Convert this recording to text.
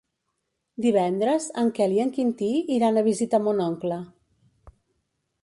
Divendres en Quel i en Quintí iran a visitar mon oncle.